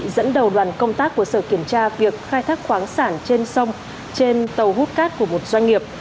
dẫn đầu đoàn công tác của sở kiểm tra việc khai thác khoáng sản trên sông trên tàu hút cát của một doanh nghiệp